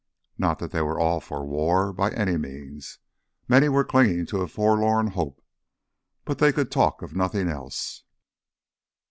Not that all were for war, by any means. Many were clinging to a forlorn hope, but they could talk of nothing else.